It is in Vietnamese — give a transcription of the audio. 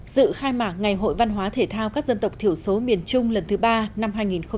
dự khai mạc ngày hội văn hóa thể thao các dân tộc thiểu số miền trung lần thứ ba năm hai nghìn một mươi chín